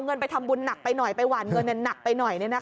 เงินไปทำบุญหนักไปหน่อยไปหวานเงินหนักไปหน่อย